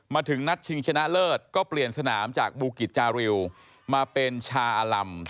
มาถึงนัดชิงชนะเลิศก็เปลี่ยนสนามจากบูกิจจาริวมาเป็นชาอลัม